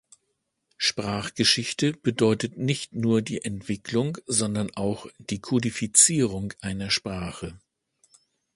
Sprachgeschichte bedeutet nicht nur die Entwicklung, sondern auch die Kodifizierung einer Sprache.